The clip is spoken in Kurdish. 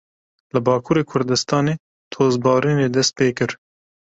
Li Bakurê Kurdistanê tozbarînê dest pê kir.